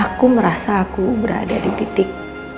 aku merasa aku berada di titik